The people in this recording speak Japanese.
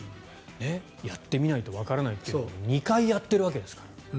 やってみないとわからないっていうのを２回やっているわけですから。